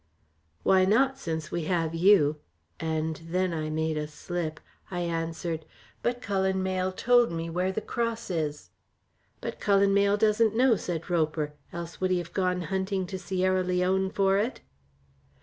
"Why not since we have you?" and then I made a slip I answered: "But Cullen Mayle told me where the cross is." "But Cullen Mayle doesn't know," said Roper, "else would he have gone hunting to Sierra Leone for it?"